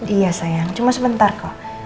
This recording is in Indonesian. iya sayang cuma sebentar kok